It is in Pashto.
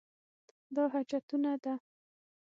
دا حاجتونه ده.